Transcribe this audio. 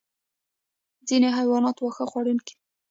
ځینې حیوانات واښه خوړونکي دي